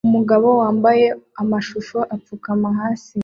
Umugabo wambaye amashusho apfukama hasi